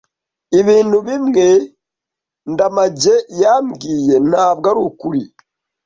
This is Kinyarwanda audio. Ibintu bimwe Ndamage yambwiye ntabwo arukuri.